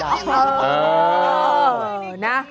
จ่าง้อดัง